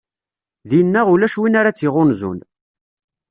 Dinna ulac win ara tt-iɣunzun.